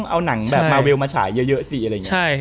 เอาหนังแบบมาเวลมาฉายเยอะสิอะไรอย่างนี้